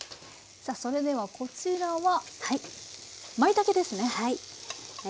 さあそれではこちらはまいたけですね。